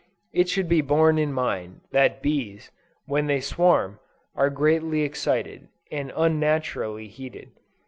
It should be borne in mind, that bees, when they swarm, are greatly excited, and unnaturally heated.